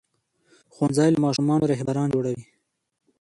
ښوونځی له ماشومانو رهبران جوړوي.